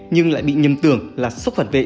nhưng lại bị nhầm tưởng là sức phản vệ